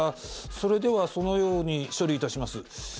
それではそのように処理いたします。